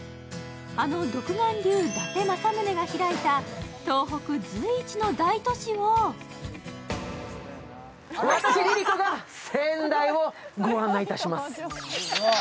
あの独眼竜・伊達政宗が開いた東北随一の大都市を私、ＬｉＬｉＣｏが仙台を御案内いたします。